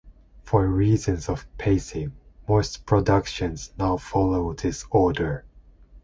For reasons of pacing, most productions now follow this order.